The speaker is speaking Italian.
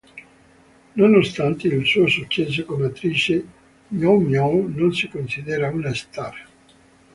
Nonostante il suo successo come attrice, Miou-Miou non si considera una "star".